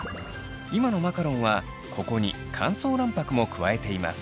今のマカロンはここに乾燥卵白も加えています。